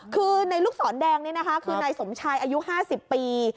คือในลูกศรแดงเนี้ยนะคะคือในสมชายอายุห้าสิบปี